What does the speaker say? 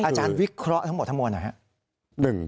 อาจารย์วิเคราะห์ทั้งหมดทั้งมวลหน่อยครับ